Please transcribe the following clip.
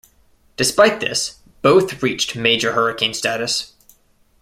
Despite this, both reached major hurricane status.